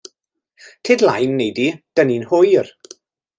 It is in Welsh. Tyd 'laen wnei di, 'dan ni'n hwyr.